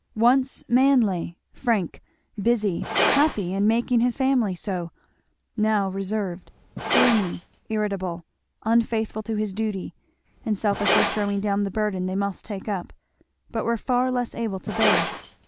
Once manly, frank, busy, happy and making his family so; now reserved, gloomy, irritable, unfaithful to his duty and selfishly throwing down the burden they must take up, but were far less able to bear.